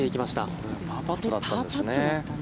これパーパットだったんですね。